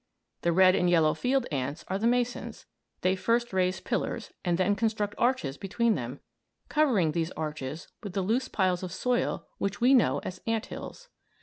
The red and yellow field ants are the masons. They first raise pillars and then construct arches between them, covering these arches with the loose piles of soil which we know as ant hills.